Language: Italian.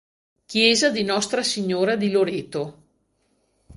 Chiesa di Nostra Signora di Loreto